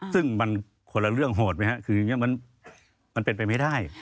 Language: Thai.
ซึ่งมันคนละเรื่องโหดไหมครับคืออย่างนี้มันเป็นไปไม่ได้